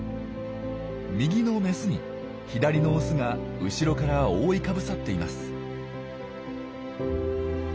右のメスに左のオスが後ろから覆いかぶさっています。